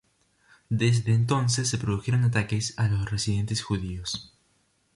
Desde entonces se produjeron ataques a los residentes judíos.